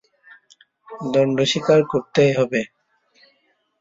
দণ্ড স্বীকার করতেই হবে।